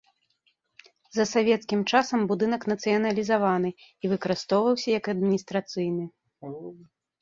За савецкім часам будынак нацыяналізаваны і выкарыстоўваўся як адміністрацыйны.